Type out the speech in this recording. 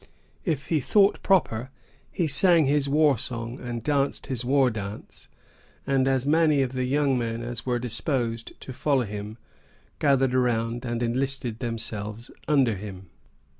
If he thought proper, he sang his war song and danced his war dance; and as many of the young men as were disposed to follow him, gathered around and enlisted themselves under him.